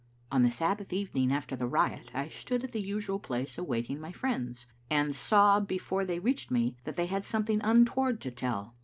On the Sabbath evening after the riot, I stood at the usual place awaiting my friends, and saw before they reached me that they had something untoward to tell.